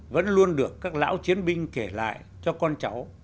vẫn luôn được các lão chiến binh kể lại cho con cháu